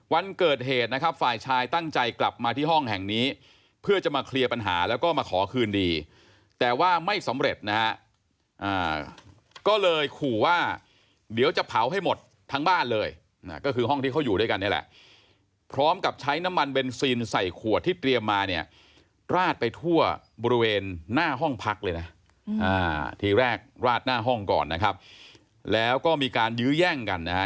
วันเกิดเหตุนะครับฝ่ายชายตั้งใจกลับมาที่ห้องแห่งนี้เพื่อจะมาเคลียร์ปัญหาแล้วก็มาขอคืนดีแต่ว่าไม่สำเร็จนะฮะก็เลยขู่ว่าเดี๋ยวจะเผาให้หมดทั้งบ้านเลยก็คือห้องที่เขาอยู่ด้วยกันนี่แหละพร้อมกับใช้น้ำมันเบนซินใส่ขวดที่เตรียมมาเนี่ยราดไปทั่วบริเวณหน้าห้องพักเลยนะทีแรกราดหน้าห้องก่อนนะครับแล้วก็มีการยื้อแย่งกันนะฮะ